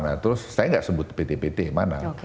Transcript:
nah terus saya gak sebut pt pt mana